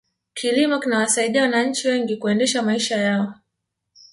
kilimo kinawasaidia wananchi wengi kuendesha maisha yao